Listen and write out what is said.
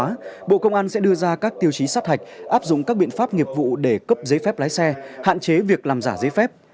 trong đó bộ công an sẽ đưa ra các tiêu chí sát hạch áp dụng các biện pháp nghiệp vụ để cấp giấy phép lái xe hạn chế việc làm giả giấy phép